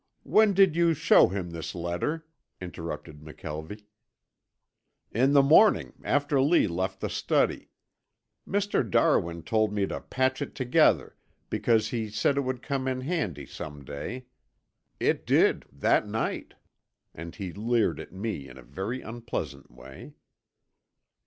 "When did you show him this letter?" interrupted McKelvie. "In the morning after Lee left the study. Mr. Darwin told me to patch it together because he said it would come in handy some day. It did that night," and he leered at me in a very unpleasant way.